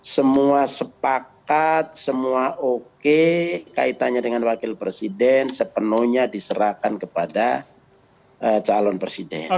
semua sepakat semua oke kaitannya dengan wakil presiden sepenuhnya diserahkan kepada calon presiden